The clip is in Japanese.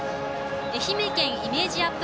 愛媛県イメージアップ